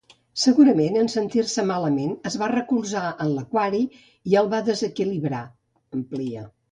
Segurament, en sentir-se malament, es va recolzar en l'aquari i el va desequilibrar —amplia.